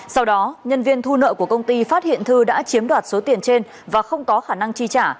sau đó nhân viên thu nợ của công ty phát hiện thư đã chiếm đoạt số tiền trên và không có khả năng chi trả